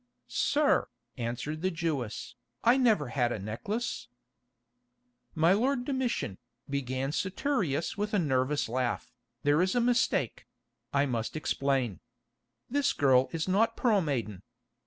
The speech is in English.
"Sir," answered the Jewess, "I never had a necklace——" "My lord Domitian," began Saturius with a nervous laugh, "there is a mistake—I must explain. This girl is not Pearl Maiden.